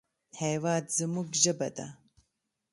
هېواد زموږ ژبه ده